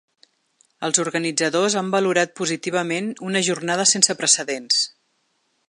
Els organitzadors han valorat positivament una jornada ‘sense precedents’.